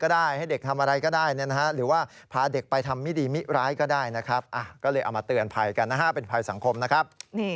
ได้นะครับก็เลยเอามาเตือนภัยกันนะฮะเป็นภัยสังคมนะครับ